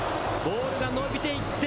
ボールが伸びていって。